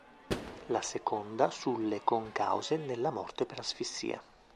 La seconda sulle concause nella morte per asfissia.